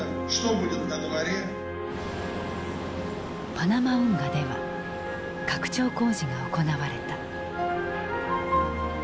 パナマ運河では拡張工事が行われた。